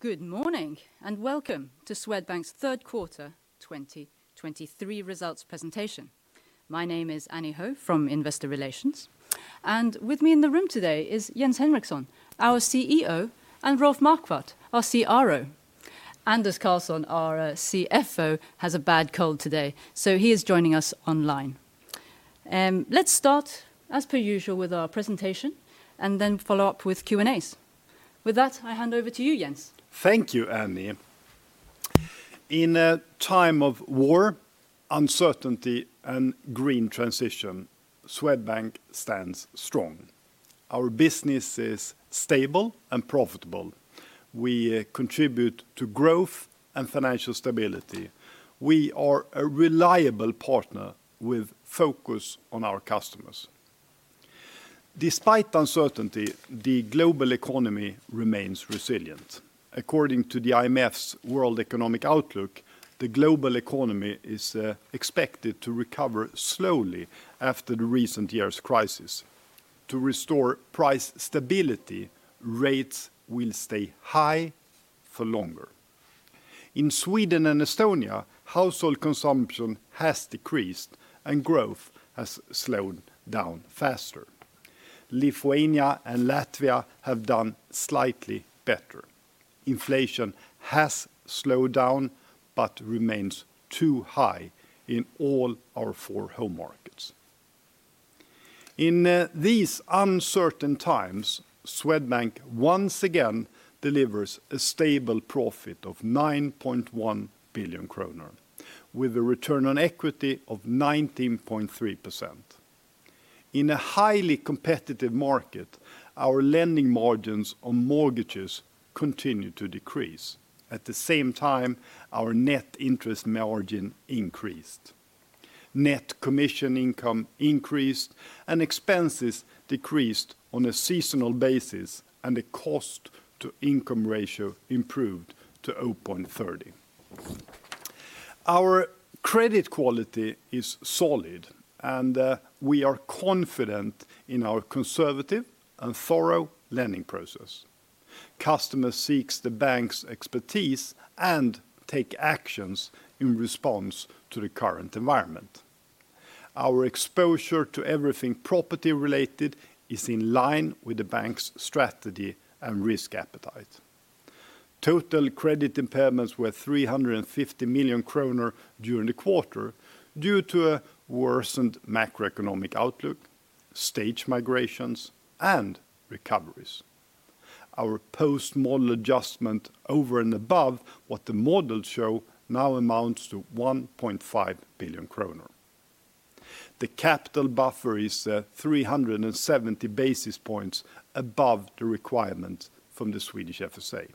Good morning, and welcome to Swedbank's Third Quarter 2023 Results Presentation. My name is Annie Ho from Investor Relations, and with me in the room today is Jens Henriksson, our CEO, and Rolf Marquardt, our CRO. Anders Karlsson, our CFO, has a bad cold today, so he is joining us online. Let's start, as per usual, with our presentation and then follow up with Q&As. With that, I hand over to you, Jens. Thank you, Annie. In a time of war, uncertainty, and green transition, Swedbank stands strong. Our business is stable and profitable. We contribute to growth and financial stability. We are a reliable partner with focus on our customers. Despite uncertainty, the global economy remains resilient. According to the IMF's World Economic Outlook, the global economy is expected to recover slowly after the recent years' crisis. To restore price stability, rates will stay high for longer. In Sweden and Estonia, household consumption has decreased, and growth has slowed down faster. Lithuania and Latvia have done slightly better. Inflation has slowed down but remains too high in all our four home markets. In these uncertain times, Swedbank once again delivers a stable profit of 9.1 billion kronor, with a return on equity of 19.3%. In a highly competitive market, our lending margins on mortgages continue to decrease. At the same time, our net interest margin increased. Net commission income increased, and expenses decreased on a seasonal basis, and the cost-to-income ratio improved to 0.30. Our credit quality is solid, and we are confident in our conservative and thorough lending process. Customer seeks the bank's expertise and take actions in response to the current environment. Our exposure to everything property-related is in line with the bank's strategy and risk appetite. Total credit impairments were 350 million kronor during the quarter due to a worsened macroeconomic outlook, stage migrations, and recoveries. Our post-model adjustment over and above what the models show now amounts to 1.5 billion kronor. The capital buffer is 370 basis points above the requirement from the Swedish FSA.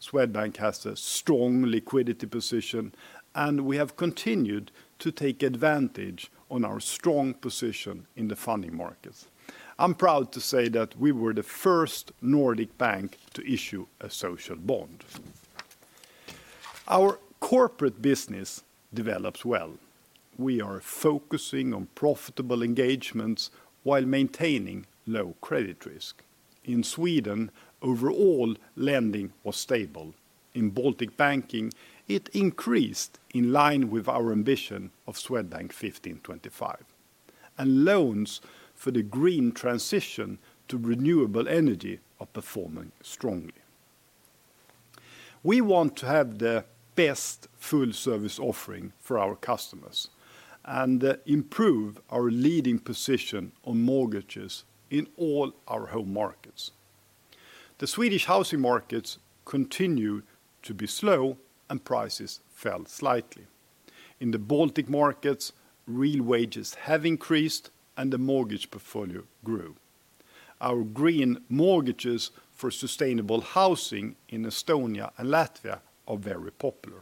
Swedbank has a strong liquidity position, and we have continued to take advantage on our strong position in the funding markets. I'm proud to say that we were the first Nordic bank to issue a social bond. Our corporate business develops well. We are focusing on profitable engagements while maintaining low credit risk. In Sweden, overall, lending was stable. In Baltic Banking, it increased in line with our ambition of Swedbank 15/25, and loans for the green transition to renewable energy are performing strongly. We want to have the best full-service offering for our customers and improve our leading position on mortgages in all our home markets. The Swedish housing markets continue to be slow, and prices fell slightly. In the Baltic markets, real wages have increased, and the mortgage portfolio grew. Our green mortgages for sustainable housing in Estonia and Latvia are very popular.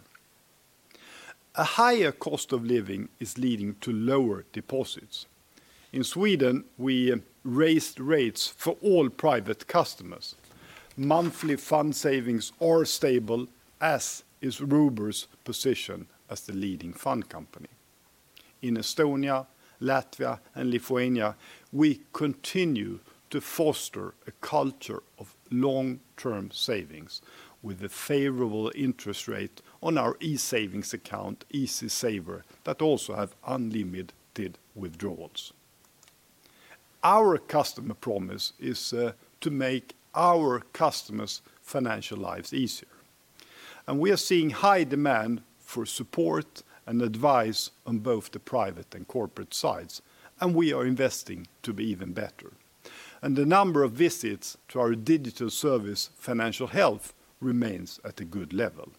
A higher cost of living is leading to lower deposits. In Sweden, we raised rates for all private customers. Monthly fund savings are stable, as is Robur's position as the leading fund company. In Estonia, Latvia, and Lithuania, we continue to foster a culture of long-term savings with a favorable interest rate on our e-savings account, EasySaver, that also have unlimited withdrawals. Our customer promise is to make our customers' financial lives easier, and we are seeing high demand for support and advice on both the private and corporate sides, and we are investing to be even better. The number of visits to our digital service, Financial Health, remains at a good level.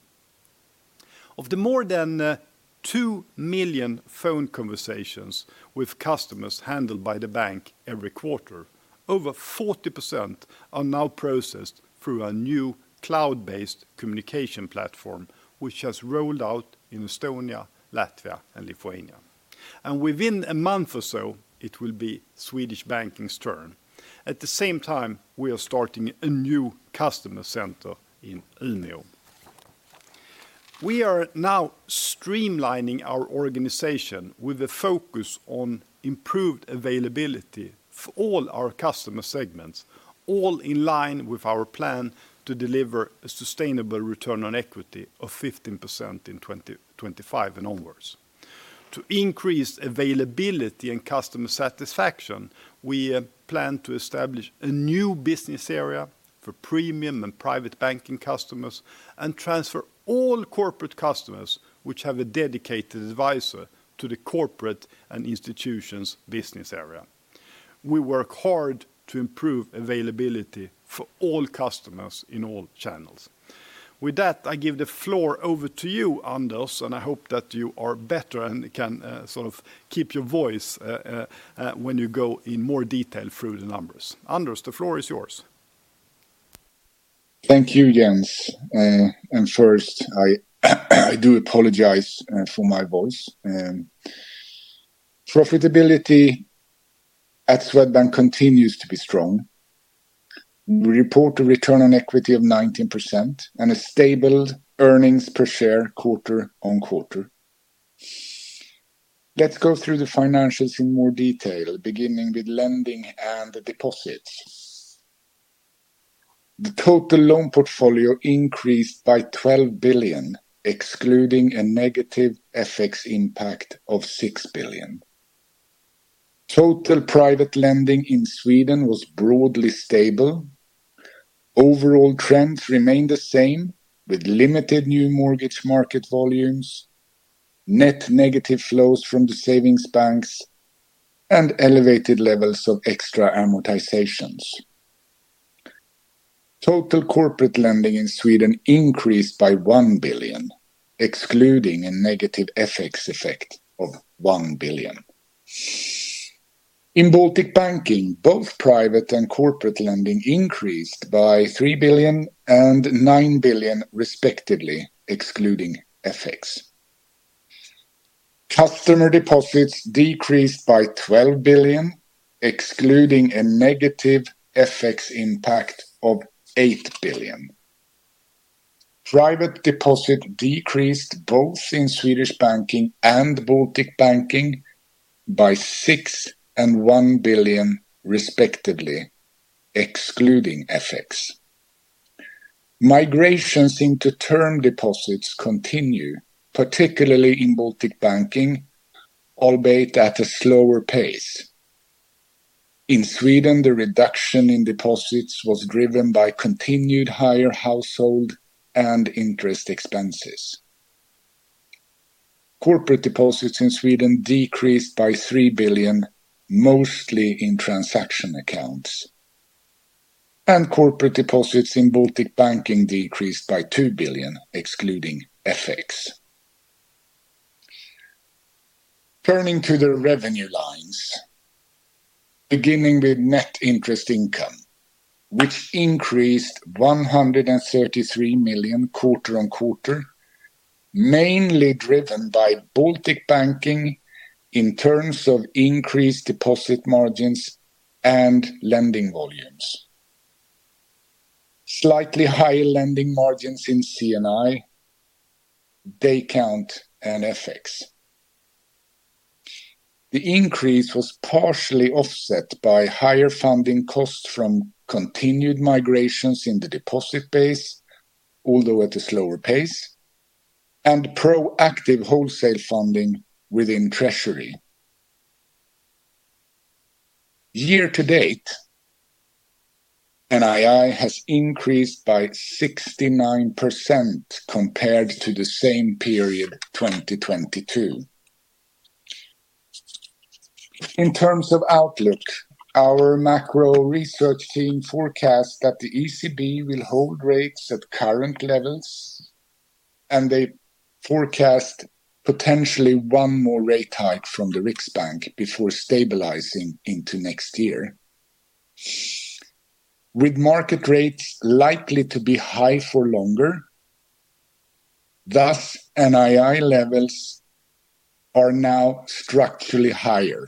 Of the more than two million phone conversations with customers handled by the bank every quarter, over 40% are now processed through a new cloud-based communication platform, which has rolled out in Estonia, Latvia, and Lithuania. Within a month or so, it will be Swedish Banking's turn. At the same time, we are starting a new customer center in [Umea]. We are now streamlining our organization with a focus on improved availability for all our customer segments, all in line with our plan to deliver a sustainable return on equity of 15% in 2025 and onwards. To increase availability and customer satisfaction, we plan to establish a new business area for premium and private banking customers and transfer all corporate customers which have a dedicated advisor to the corporate and institutions business area. We work hard to improve availability for all customers in all channels. With that, I give the floor over to you, Anders, and I hope that you are better and can sort of keep your voice when you go in more detail through the numbers. Anders, the floor is yours. Thank you, Jens. And first, I do apologize for my voice. Profitability at Swedbank continues to be strong. We report a return on equity of 19% and a stable earnings per share quarter on quarter. Let's go through the financials in more detail, beginning with lending and deposits. The total loan portfolio increased by 12 billion, excluding a negative FX impact of 6 billion. Total private lending in Sweden was broadly stable. Overall trends remained the same, with limited new mortgage market volumes, net negative flows from the savings banks, and elevated levels of extra amortizations. Total corporate lending in Sweden increased by 1 billion, excluding a negative FX effect of 1 billion. In Baltic Banking, both private and corporate lending increased by 3 billion and 9 billion respectively, excluding FX. Customer deposits decreased by 12 billion, excluding a negative FX impact of 8 billion. Private deposit decreased both in Swedish Banking and Baltic Banking by 6 billion and 1 billion, respectively, excluding FX. Migrations into term deposits continue, particularly in Baltic Banking, albeit at a slower pace. In Sweden, the reduction in deposits was driven by continued higher household and interest expenses. Corporate deposits in Sweden decreased by 3 billion, mostly in transaction accounts, and corporate deposits in Baltic Banking decreased by 2 billion, excluding FX. Turning to the revenue lines, beginning with net interest income, which increased SEK 133 million quarter-over-quarter, mainly driven by Baltic Banking in terms of increased deposit margins and lending volumes. Slightly higher lending margins in C&I, day count, and FX. The increase was partially offset by higher funding costs from continued migrations in the deposit base, although at a slower pace, and proactive wholesale funding within treasury. Year to date, NII has increased by 69% compared to the same period, 2022. In terms of outlook, our macro research team forecasts that the ECB will hold rates at current levels, and they forecast potentially one more rate hike from the Riksbank before stabilizing into next year. With market rates likely to be high for longer, thus NII levels are now structurally higher.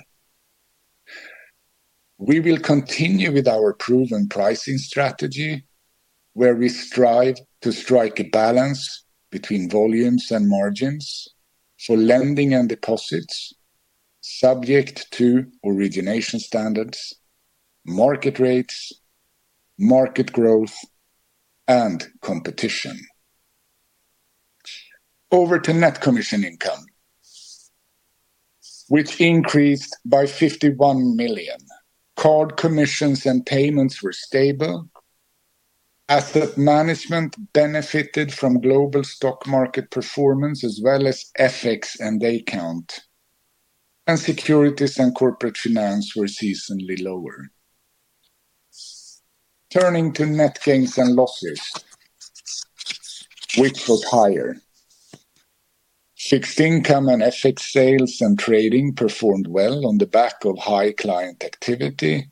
We will continue with our proven pricing strategy, where we strive to strike a balance between volumes and margins for lending and deposits, subject to origination standards, market rates, market growth, and competition. Over to net commission income, which increased by 51 million. Card commissions and payments were stable. Asset management benefited from global stock market performance, as well as FX and day count, and securities and corporate finance were seasonally lower. Turning to net gains and losses, which was higher. Fixed income and FX sales and trading performed well on the back of high client activity,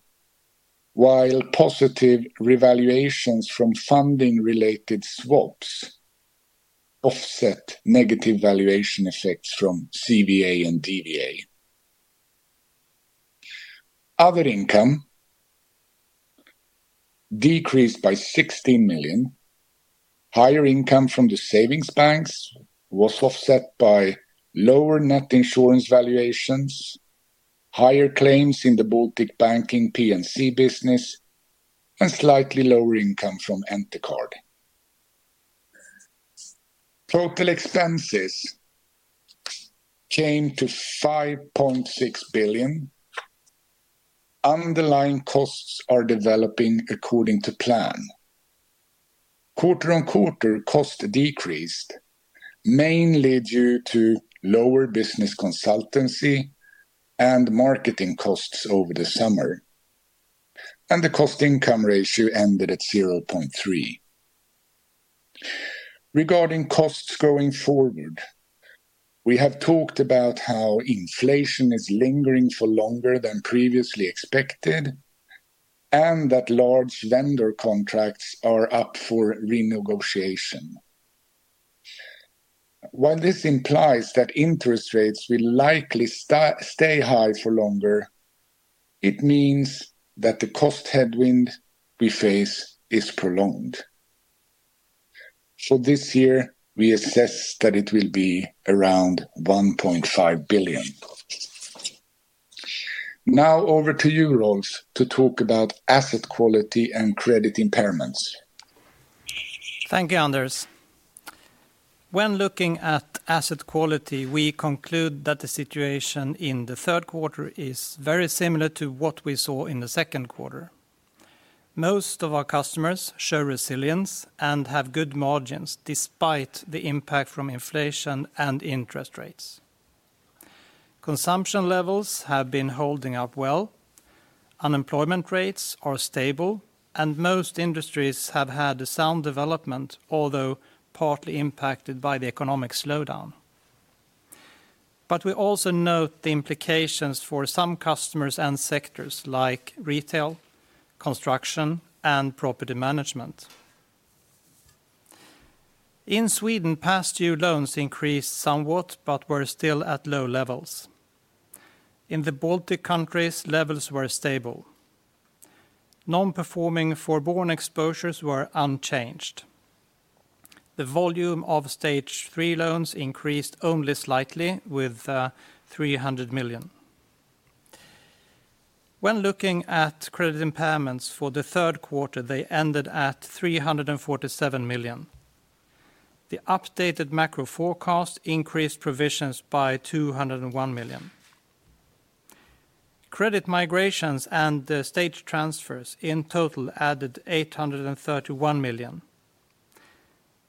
while positive revaluations from funding-related swaps offset negative valuation effects from CVA and DVA. Other income decreased by 60 million. Higher income from the savings banks was offset by lower net insurance valuations, higher claims in the Baltic Banking P&C business, and slightly lower income from Entercard. Total expenses came to 5.6 billion. Underlying costs are developing according to plan. Quarter-on-quarter, cost decreased, mainly due to lower business consultancy and marketing costs over the summer, and the cost income ratio ended at 0.3. Regarding costs going forward, we have talked about how inflation is lingering for longer than previously expected, and that large vendor contracts are up for renegotiation. While this implies that interest rates will likely stay high for longer, it means that the cost headwind we face is prolonged. So this year, we assess that it will be around 1.5 billion. Now, over to you, Rolf, to talk about asset quality and credit impairments. Thank you, Anders. When looking at asset quality, we conclude that the situation in the third quarter is very similar to what we saw in the second quarter. Most of our customers show resilience and have good margins despite the impact from inflation and interest rates. Consumption levels have been holding up well, unemployment rates are stable, and most industries have had a sound development, although partly impacted by the economic slowdown. But we also note the implications for some customers and sectors like retail, construction, and property management. In Sweden, past due loans increased somewhat, but were still at low levels. In the Baltic countries, levels were stable. Non-performing for foreign exposures were unchanged. The volume of stage three loans increased only slightly with 300 million. When looking at credit impairments for the third quarter, they ended at 347 million. The updated macro forecast increased provisions by 201 million. Credit migrations and the stage transfers in total added 831 million.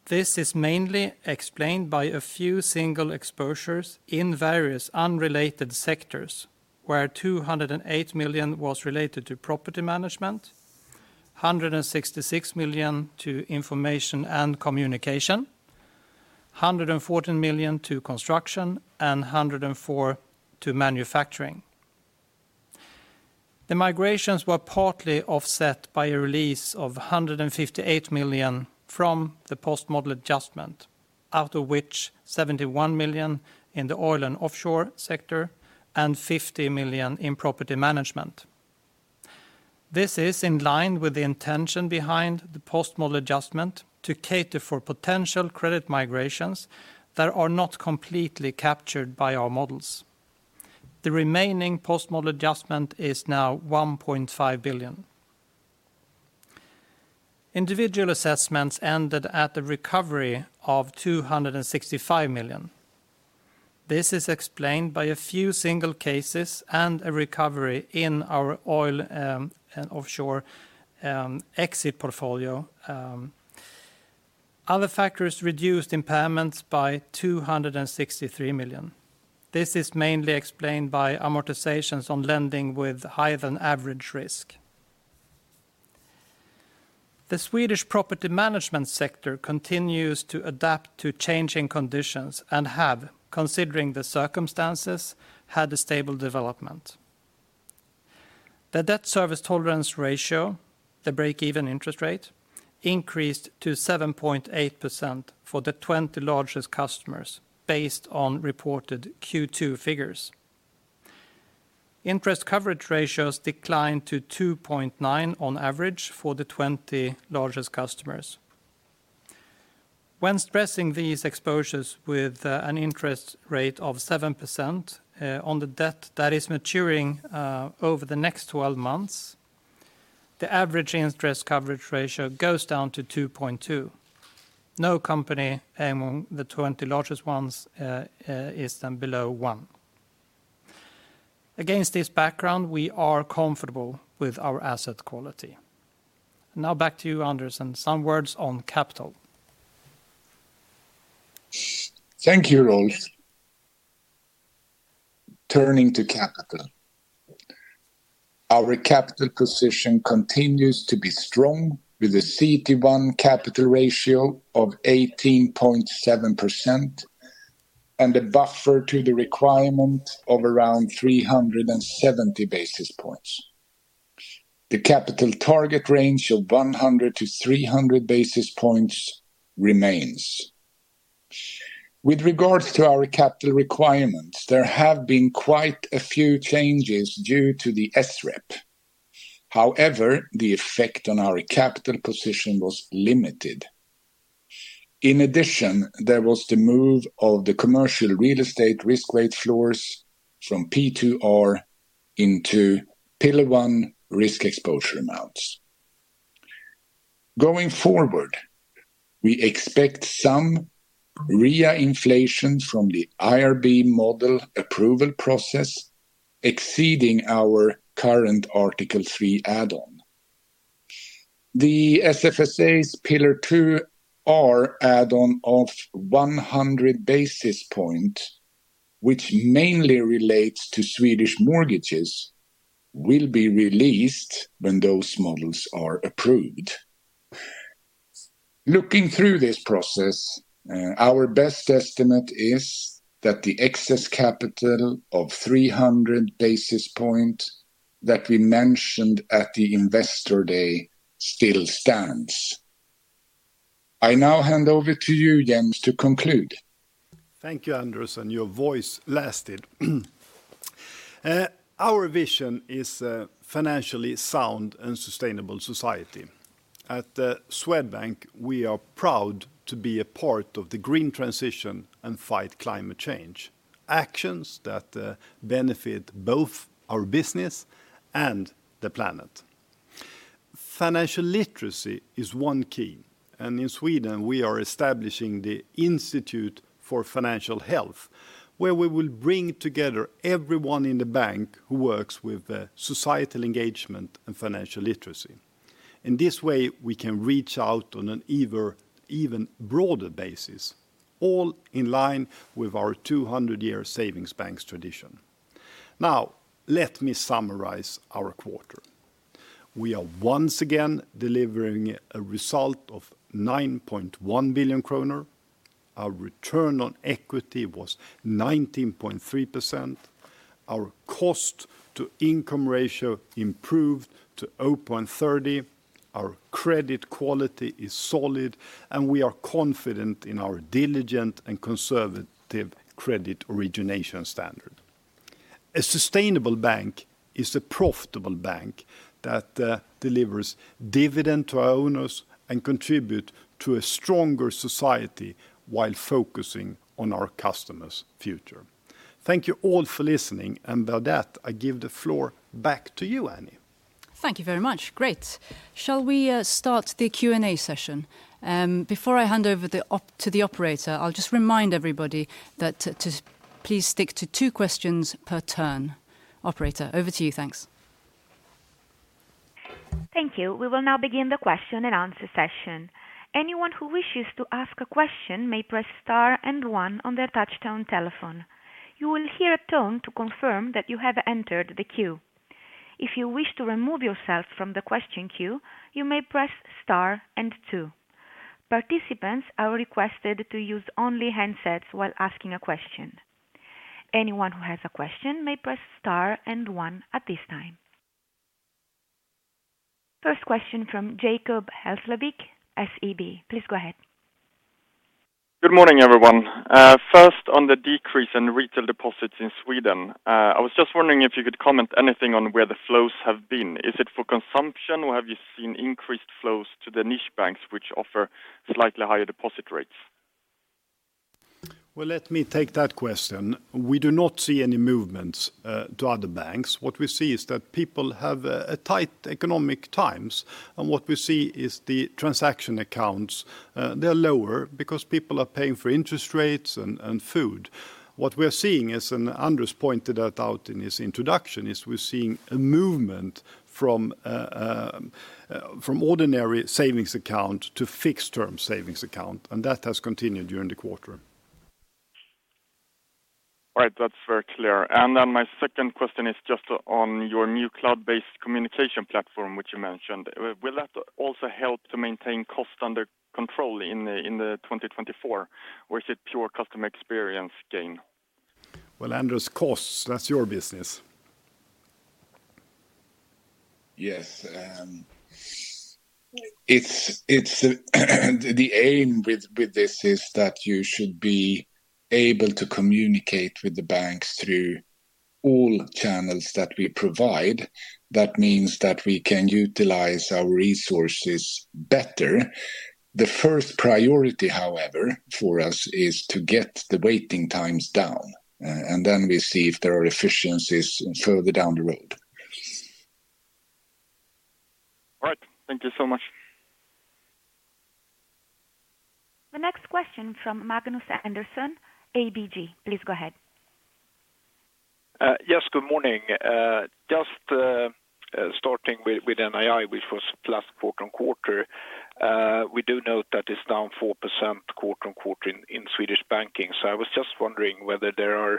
This is mainly explained by a few single exposures in various unrelated sectors, where 208 million was related to property management, 166 million to information and communication, 114 million to construction, and 104 million to manufacturing. The migrations were partly offset by a release of 158 million from the post-model adjustment, out of which 71 million in the oil and offshore sector and 50 million in property management. This is in line with the intention behind the post-model adjustment to cater for potential credit migrations that are not completely captured by our models. The remaining post-model adjustment is now 1.5 billion. Individual assessments ended at a recovery of 265 million. This is explained by a few single cases and a recovery in our oil and offshore exit portfolio. Other factors reduced impairments by 263 million. This is mainly explained by amortizations on lending with higher than average risk. The Swedish property management sector continues to adapt to changing conditions and have, considering the circumstances, had a stable development. The debt service tolerance ratio, the break-even interest rate, increased to 7.8% for the 20 largest customers based on reported Q2 figures. Interest coverage ratios declined to 2.9 on average for the 20 largest customers. When stressing these exposures with an interest rate of 7% on the debt that is maturing over the next 12 months, the average interest coverage ratio goes down to 2.2. No company among the 20 largest ones is then below one. Against this background, we are comfortable with our asset quality. Now, back to you, Anders, and some words on capital. Thank you, Rolf. Turning to capital. Our capital position continues to be strong, with a CET1 capital ratio of 18.7% and a buffer to the requirement of around 370 basis points. The capital target range of 100-300 basis points remains. With regards to our capital requirements, there have been quite a few changes due to the SREP. However, the effect on our capital position was limited. In addition, there was the move of the commercial real estate risk weight floors from P2R into Pillar 1 risk exposure amounts. Going forward, we expect some REA inflation from the IRB model approval process exceeding our current Article three add-on. The SFSA's Pillar 2 R add-on of 100 basis points, which mainly relates to Swedish mortgages, will be released when those models are approved. Looking through this process, our best estimate is that the excess capital of 300 basis points that we mentioned at the Investor Day still stands. I now hand over to you, Jens, to conclude. Thank you, Anders, and your voice lasted. Our vision is a financially sound and sustainable society. At Swedbank, we are proud to be a part of the green transition and fight climate change, actions that benefit both our business and the planet. Financial literacy is one key, and in Sweden, we are establishing the Institute for Financial Health, where we will bring together everyone in the bank who works with societal engagement and financial literacy. In this way, we can reach out on an even broader basis, all in line with our 200-year savings bank's tradition. Now, let me summarize our quarter. We are once again delivering a result of 9.1 billion kronor. Our return on equity was 19.3%. Our cost-to-income ratio improved to 43.0. Our credit quality is solid, and we are confident in our diligent and conservative credit origination standard. A sustainable bank is a profitable bank that delivers dividend to our owners and contribute to a stronger society while focusing on our customers' future. Thank you all for listening, and by that, I give the floor back to you, Annie. Thank you very much. Great. Shall we start the Q&A session? Before I hand over to the operator, I'll just remind everybody to please stick to two questions per turn. Operator, over to you. Thanks. Thank you. We will now begin the question and answer session. Anyone who wishes to ask a question may press star and one on their touchtone telephone. You will hear a tone to confirm that you have entered the queue. If you wish to remove yourself from the question queue, you may press star and two. Participants are requested to use only handsets while asking a question. Anyone who has a question may press star and one at this time. First question from Jacob Hesslevik, SEB. Please go ahead. Good morning, everyone. First, on the decrease in retail deposits in Sweden, I was just wondering if you could comment anything on where the flows have been. Is it for consumption, or have you seen increased flows to the niche banks which offer slightly higher deposit rates? Well, let me take that question. We do not see any movements to other banks. What we see is that people have a tight economic times, and what we see is the transaction accounts, they're lower because people are paying for interest rates and food. What we're seeing is, and Anders pointed that out in his introduction, is we're seeing a movement from ordinary savings account to fixed-term savings account, and that has continued during the quarter. All right. That's very clear. And then my second question is just on your new cloud-based communication platform, which you mentioned. Will that also help to maintain costs under control in the 2024, or is it pure customer experience gain? Well, Anders, costs, that's your business. Yes, it's the aim with this is that you should be able to communicate with the banks through all channels that we provide. That means that we can utilize our resources better. The first priority, however, for us, is to get the waiting times down, and then we see if there are efficiencies further down the road. All right. Thank you so much. The next question from Magnus Andersson, ABG, please go ahead. Yes, good morning. Just starting with NII, which was last quarter-on-quarter, we do note that it's down 4% quarter-on-quarter in Swedish banking. So, I was just wondering whether there are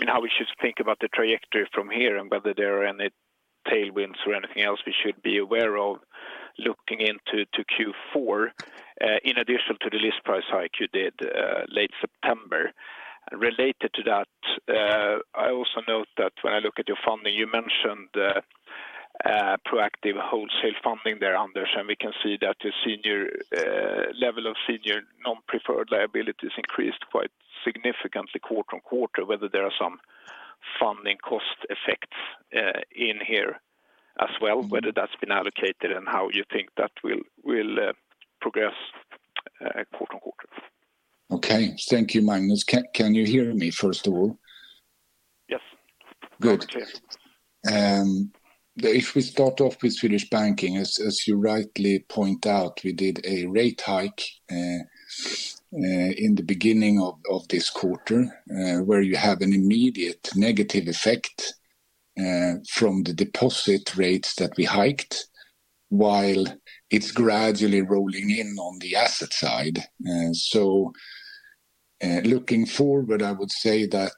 and how we should think about the trajectory from here, and whether there are any tailwinds or anything else we should be aware of looking into to Q4, in addition to the list price hike you did, late September. Related to that, I also note that when I look at your funding, you mentioned. Proactive wholesale funding there, Anders, and we can see that the senior level of senior non-preferred liabilities increased quite significantly quarter-over-quarter, whether there are some funding cost effects in here as well, whether that's been allocated, and how you think that will progress quarter-over-quarter? Okay, thank you, Magnus. Can you hear me, first of all? Yes. Good. If we start off with Swedish Banking, as you rightly point out, we did a rate hike in the beginning of this quarter, where you have an immediate negative effect from the deposit rates that we hiked, while it's gradually rolling in on the asset side. So, looking forward, I would say that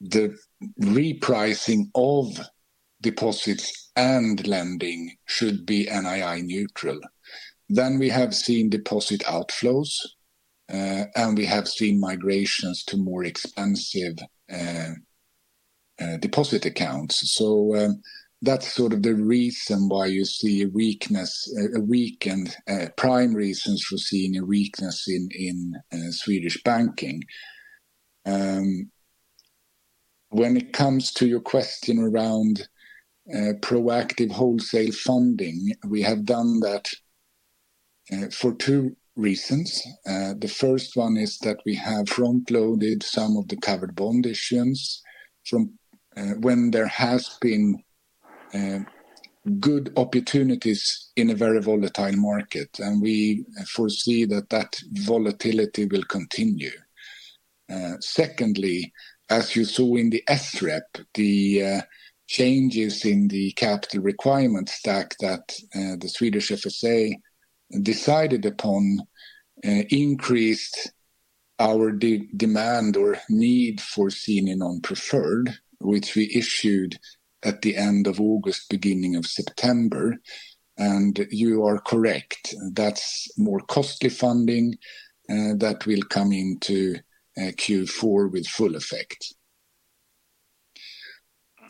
the repricing of deposits and lending should be NII neutral. Then we have seen deposit outflows, and we have seen migrations to more expensive deposit accounts. So, that's sort of the reason why you see a weakness, a weakened prime reasons for seeing a weakness in Swedish Banking. When it comes to your question around proactive wholesale funding, we have done that for two reasons. The first one is that we have front-loaded some of the covered bond issues from when there has been good opportunities in a very volatile market, and we foresee that that volatility will continue. Secondly, as you saw in the SREP, the changes in the capital requirement stack that the Swedish FSA decided upon increased our demand or need for senior non-preferred, which we issued at the end of August, beginning of September, and you are correct. That's more costly funding that will come into Q4 with full effect.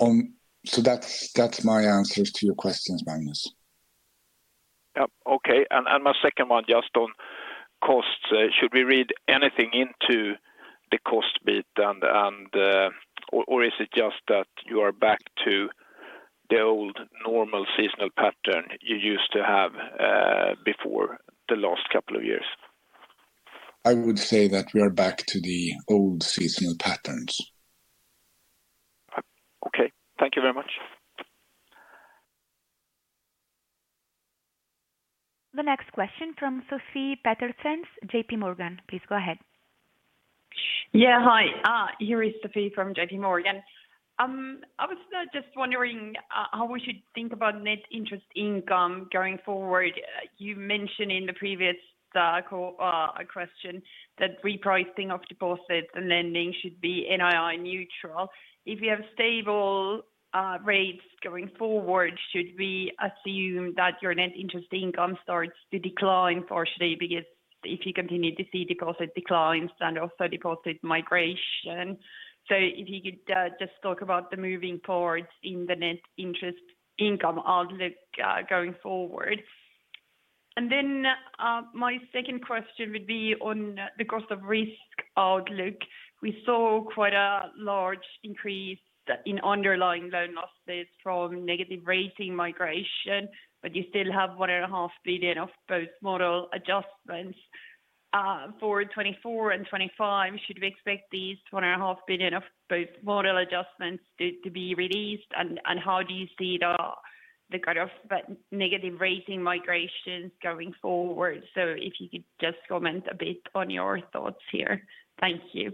So that's my answers to your questions, Magnus. Yep. Okay, and, and my second one, just on costs. Should we read anything into the cost bit and, and, or, or is it just that you are back to the old normal seasonal pattern you used to have, before the last couple of years? I would say that we are back to the old seasonal patterns. Okay. Thank you very much. The next question from Sofie Peterzens, JPMorgan. Please go ahead. Yeah, hi. Here is Sofie from JPMorgan. I was just wondering how we should think about net interest income going forward. You mentioned in the previous call question that repricing of deposits and lending should be NII neutral. If you have stable rates going forward, should we assume that your net interest income starts to decline partially because if you continue to see deposit declines and also deposit migration? So if you could just talk about the moving parts in the net interest income outlook going forward. And then my second question would be on the cost of risk outlook. We saw quite a large increase in underlying loan losses from negative rating migration, but you still have 1.5 billion of both model adjustments for 2024 and 2025. Should we expect these 1.5 billion of both model adjustments to be released, and how do you see the kind of negative rating migrations going forward? So if you could just comment a bit on your thoughts here. Thank you.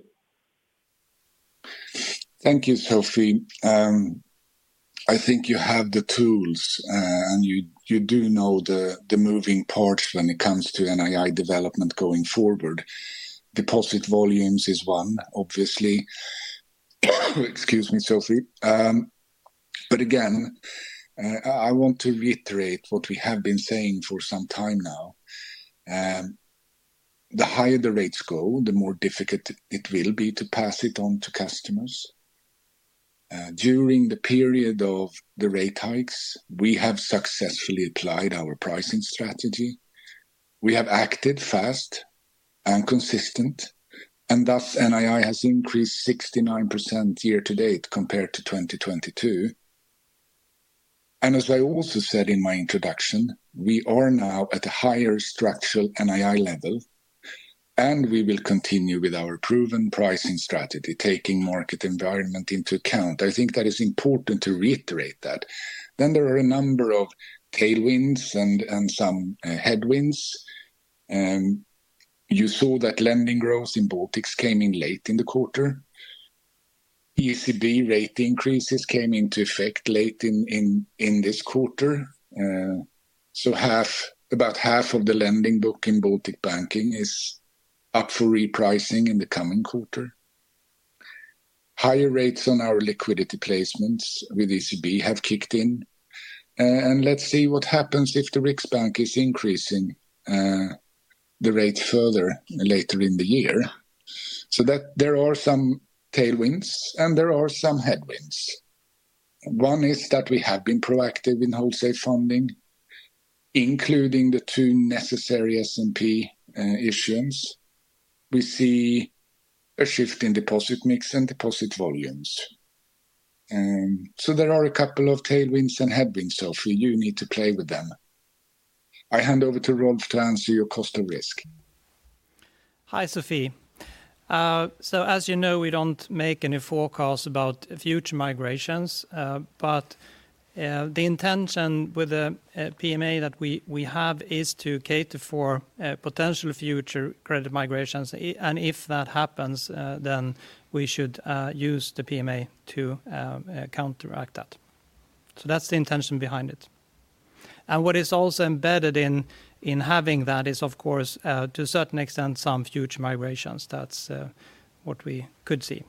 Thank you, Sofie. I think you have the tools, and you do know the moving parts when it comes to NII development going forward. Deposit volumes is one, obviously. Excuse me, Sofie. But again, I want to reiterate what we have been saying for some time now. The higher the rates go, the more difficult it will be to pass it on to customers. During the period of the rate hikes, we have successfully applied our pricing strategy. We have acted fast and consistent, and thus NII has increased 69% year to date compared to 2022. And as I also said in my introduction, we are now at a higher structural NII level, and we will continue with our proven pricing strategy, taking market environment into account. I think that is important to reiterate that. Then there are a number of tailwinds and some headwinds, and you saw that lending growth in Baltics came in late in the quarter. ECB rate increases came into effect late in this quarter. So about half of the lending book in Baltic Banking is up for repricing in the coming quarter. Higher rates on our liquidity placements with ECB have kicked in. And let's see what happens if the Riksbank is increasing the rate further later in the year. So that there are some tailwinds and there are some headwinds. One is that we have been proactive in wholesale funding, including the two necessary SNP issuance. We see a shift in deposit mix and deposit volumes. So there are a couple of tailwinds and headwinds, Sofie, you need to play with them. I hand over to Rolf to answer your cost of risk. Hi, Sofie. So as you know, we don't make any forecasts about future migrations, but the intention with the PMA that we have is to cater for potential future credit migrations. And if that happens, then we should use the PMA to counteract that. So that's the intention behind it. And what is also embedded in having that is, of course, to a certain extent, some future migrations. That's what we could see.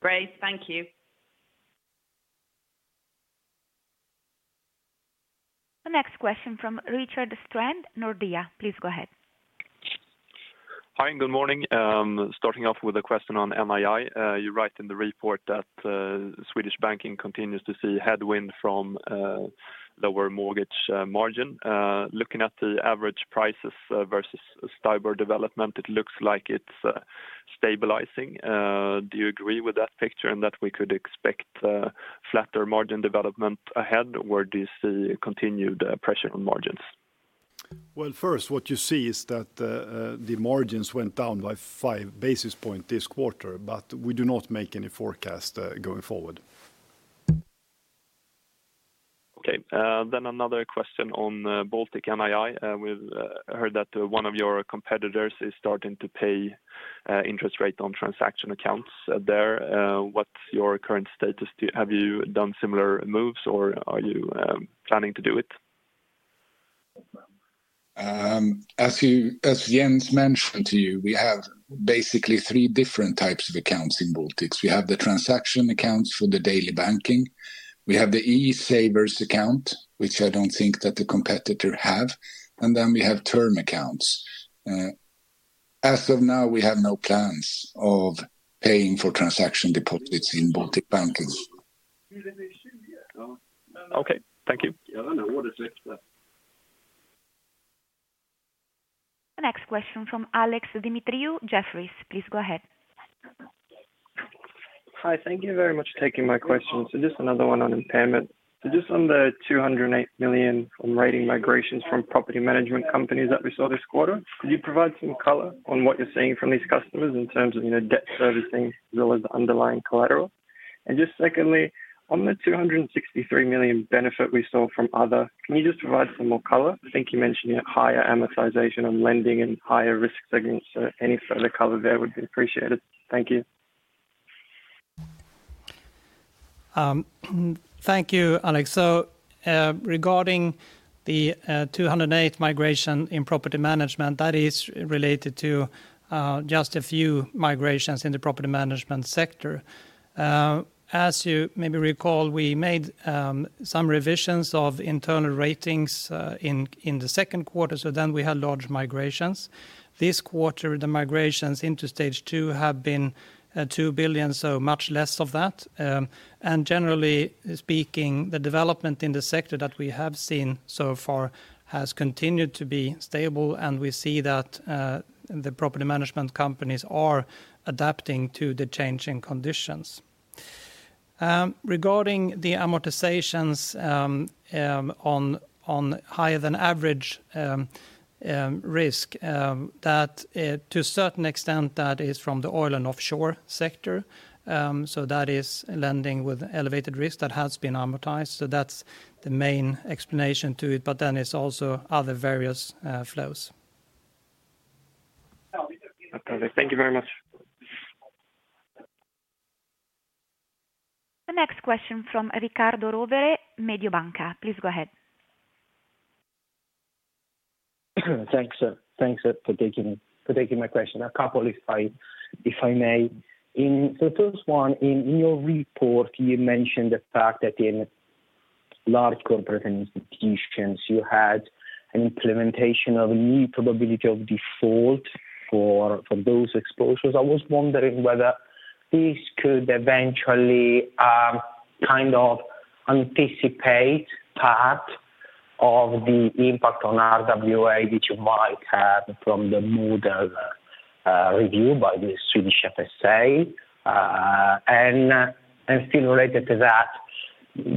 Great. Thank you. The next question from Rickard Strand, Nordea. Please go ahead. Hi, and good morning. Starting off with a question on NII. You write in the report that Swedish Banking continues to see headwind from lower mortgage margin. Looking at the average prices versus spread development, it looks like it's stabilizing. Do you agree with that picture and that we could expect flatter margin development ahead, or do you see continued pressure on margins? Well, first, what you see is that the margins went down by 5 basis points this quarter, but we do not make any forecast going forward. Okay. Another question on Baltic NII. We've heard that one of your competitors is starting to pay interest rate on transaction accounts there. What's your current status? Have you done similar moves, or are you planning to do it? As Jens mentioned to you, we have basically three different types of accounts in the Baltics. We have the transaction accounts for the daily banking, we have the E-Savers account, which I don't think that the competitor have, and then we have term accounts. As of now, we have no plans of paying for transaction deposits in Baltic Banking. Okay, thank you. The next question from Alex Demetriou, Jefferies. Please go ahead. Hi. Thank you very much for taking my question. So just another one on impairment. So just on the 208 million on rating migrations from property management companies that we saw this quarter, could you provide some color on what you're seeing from these customers in terms of, you know, debt servicing as well as the underlying collateral? And just secondly, on the 263 million benefit we saw from other, can you just provide some more color? I think you mentioned higher amortization on lending and higher risk segments, so any further color there would be appreciated. Thank you. Thank you, Alex. Regarding the 208 migration in property management, that is related to just a few migrations in the property management sector. As you maybe recall, we made some revisions of internal ratings in the second quarter, so then we had large migrations. This quarter, the migrations into stage two have been 2 billion, so much less of that. Generally speaking, the development in the sector that we have seen so far has continued to be stable, and we see that the property management companies are adapting to the changing conditions. Regarding the amortizations on higher than average risk, that, to a certain extent, is from the oil and offshore sector. That is lending with elevated risk that has been amortized. So that's the main explanation to it, but then it's also other various flows. Okay. Thank you very much. The next question from Riccardo Rovere, Mediobanca. Please go ahead. Thanks for taking my question. A couple, if I may. In the first one, in your report, you mentioned the fact that in large corporate institutions, you had an implementation of new probability of default for those exposures. I was wondering whether this could eventually kind of anticipate part of the impact on RWA, which you might have from the model review by the Swedish SFSA. And still related to that,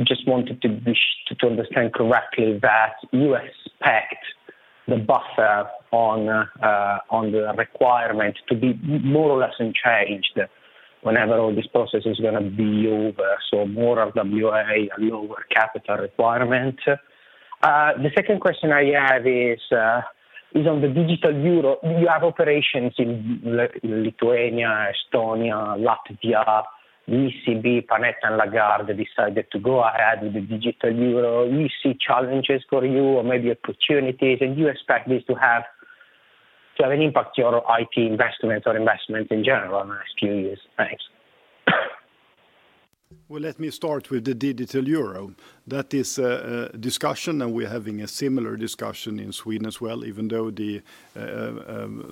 just wanted to understand correctly that you expect the buffer on the requirement to be more or less unchanged whenever all this process is gonna be over, so more RWA, a lower capital requirement. The second question I have is on the digital euro. You have operations in Lithuania, Estonia, Latvia. ECB, Panetta, and Lagarde decided to go ahead with the digital euro. We see challenges for you or maybe opportunities, and you expect this to have an impact to your IT investments or investments in general in the next few years. Thanks. Well, let me start with the digital euro. That is a, a discussion, and we're having a similar discussion in Sweden as well, even though the,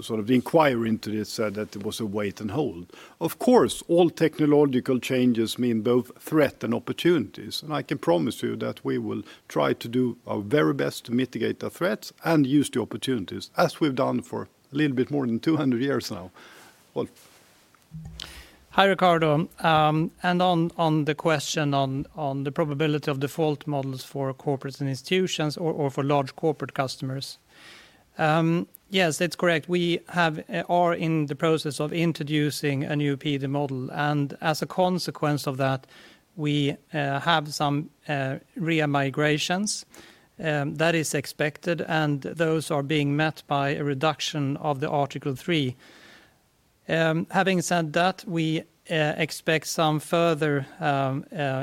sort of the inquiry into this, that it was a wait and hold. Of course, all technological changes mean both threat and opportunities, and I can promise you that we will try to do our very best to mitigate the threats and use the opportunities, as we've done for a little bit more than two hundred years now. Well. Hi, Riccardo. And on, on the question on, on the probability of default models for corporates and institutions or, or for large corporate customers. Yes, that's correct. We have are in the process of introducing a new PD model, and as a consequence of that, we have some REA migrations. That is expected, and those are being met by a reduction of the Article 3. Having said that, we expect some further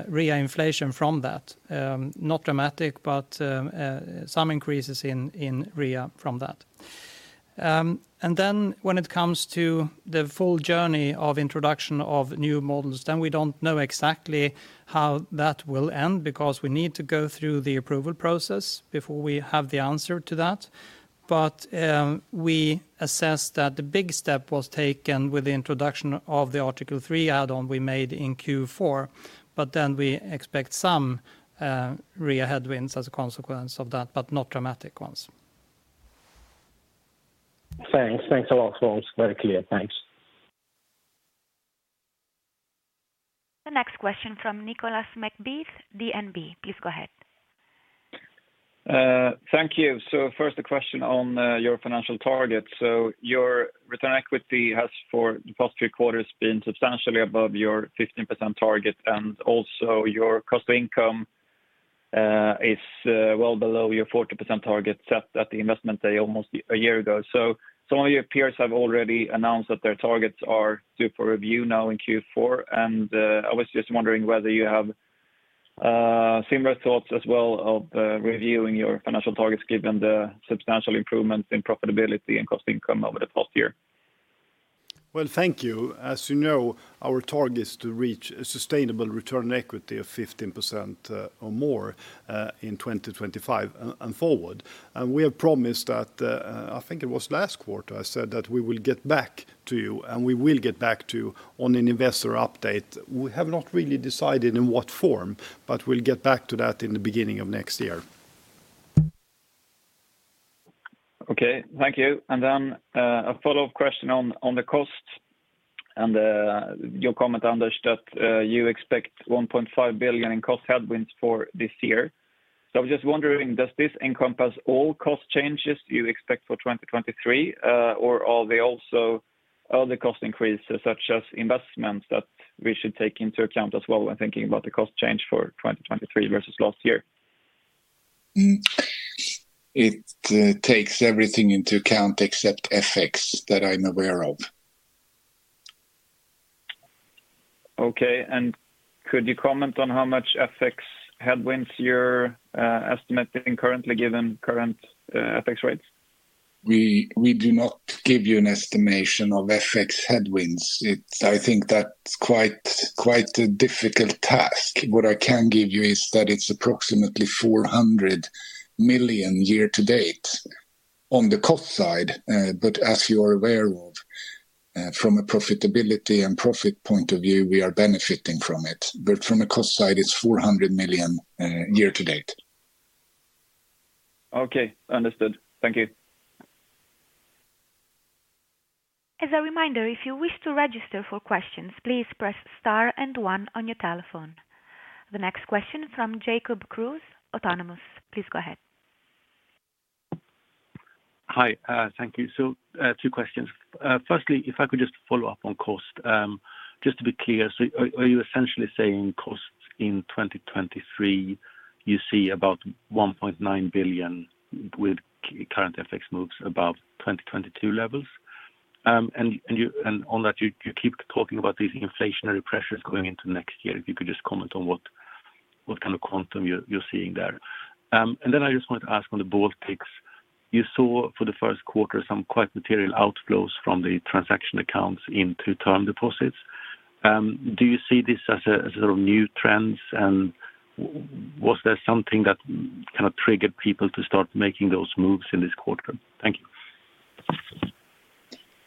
REA inflation from that. Not dramatic, but some increases in REA from that. And then when it comes to the full journey of introduction of new models, then we don't know exactly how that will end because we need to go through the approval process before we have the answer to that. But, we assess that the big step was taken with the introduction of the Article 3 add-on we made in Q4. But then we expect some RWA headwinds as a consequence of that, but not dramatic ones. Thanks. Thanks a lot. It's very clear. Thanks. The next question from Nicolas McBeath, DNB. Please go ahead. Thank you. So first, a question on your financial targets. So your return equity has, for the past three quarters, been substantially above your 15% target, and also your cost to income is well below your 40% target set at the investment day, almost a year ago. So some of your peers have already announced that their targets are due for review now in Q4, and I was just wondering whether you have similar thoughts as well of reviewing your financial targets, given the substantial improvements in profitability and cost income over the past year. Well, thank you. As you know, our target is to reach a sustainable return on equity of 15% or more in 2025 and forward. We have promised that. I think it was last quarter, I said that we will get back to you, and we will get back to you on an investor update. We have not really decided in what form, but we'll get back to that in the beginning of next year. Okay. Thank you. And then, a follow-up question on, on the cost and, your comment, Anders, that, you expect 1.5 billion in cost headwinds for this year. So I was just wondering, does this encompass all cost changes you expect for 2023, or are there also other cost increases, such as investments, that we should take into account as well when thinking about the cost change for 2023 versus last year? It takes everything into account except FX, that I'm aware of. Okay. And could you comment on how much FX headwinds you're estimating currently given current FX rates? We do not give you an estimation of FX headwinds. It's, I think that's quite a difficult task. What I can give you is that it's approximately 400 million year to date on the cost side. But as you are aware of, from a profitability and profit point of view, we are benefiting from it, but from a cost side, it's 400 million year to date. Okay, understood. Thank you. As a reminder, if you wish to register for questions, please press star and one on your telephone. The next question from Jacob Kruse, Autonomous. Please go ahead. Hi, thank you. So, two questions. Firstly, if I could just follow up on cost. Just to be clear, so are, are you essentially saying costs in 2023, you see about 1.9 billion with current FX moves above 2022 levels? And, and you, and on that, you, you keep talking about these inflationary pressures going into next year. If you could just comment on what, what kind of quantum you're, you're seeing there. And then I just wanted to ask on the Baltics, you saw for the first quarter some quite material outflows from the transaction accounts into term deposits. Do you see this as a, as a new trends, and was there something that kind of triggered people to start making those moves in this quarter? Thank you.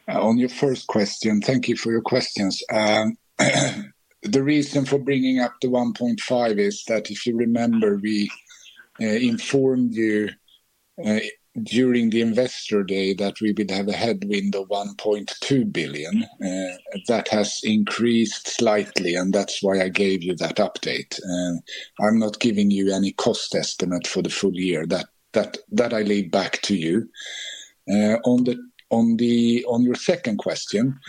On your first question. Thank you for your questions. The reason for bringing up the 1.5 billion is that if you remember, we informed you during the Investor Day that we would have a headwind of 1.2 billion. That has increased slightly, and that's why I gave you that update. I'm not giving you any cost estimate for the full year. That I leave back to you. On your second question,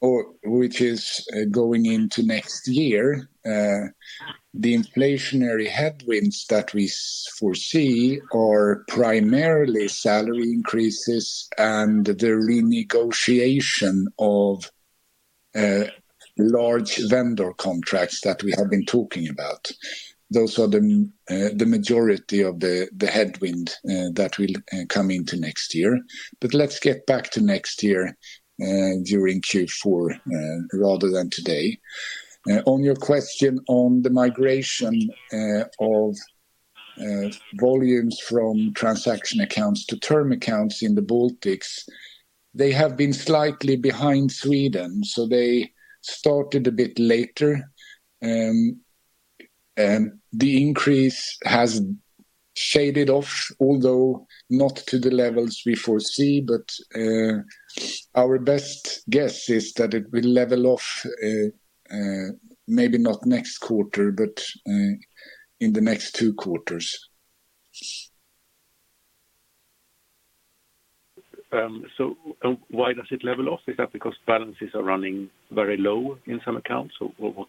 or which is going into next year, the inflationary headwinds that we foresee are primarily salary increases and the renegotiation of large vendor contracts that we have been talking about. Those are the majority of the headwind that will come into next year. But let's get back to next year, during Q4, rather than today. On your question on the migration, of volumes from transaction accounts to term accounts in the Baltics, they have been slightly behind Sweden, so they started a bit later. And the increase has shaded off, although not to the levels we foresee, but our best guess is that it will level off, maybe not next quarter, but in the next two quarters. So, why does it level off? Is that because balances are running very low in some accounts? Or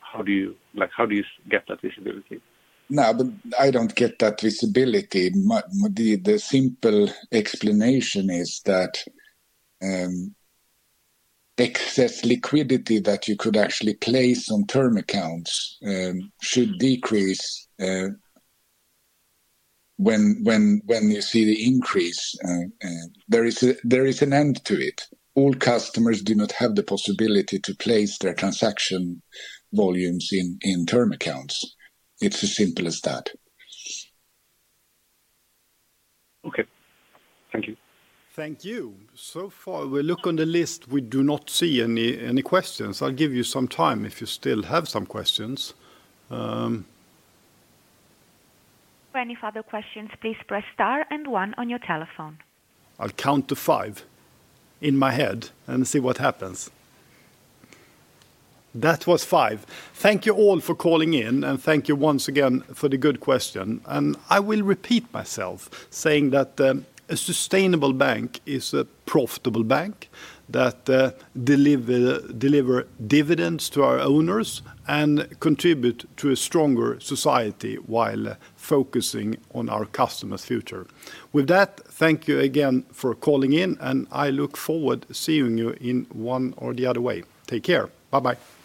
how do you, like, how do you get that visibility? No, I don't get that visibility. The simple explanation is that excess liquidity that you could actually place on term accounts should decrease when you see the increase. There is an end to it. All customers do not have the possibility to place their transaction volumes in term accounts. It's as simple as that. Okay, thank you. Thank you. So far, we look on the list, we do not see any questions. I'll give you some time if you still have some questions. For any further questions, please press star and one on your telephone. I'll count to five in my head and see what happens. That was five. Thank you all for calling in and thank you once again for the good question. I will repeat myself, saying that a sustainable bank is a profitable bank that deliver dividends to our owners and contribute to a stronger society while focusing on our customers' future. With that, thank you again for calling in, and I look forward to seeing you in one or the other way. Take care. Bye-bye.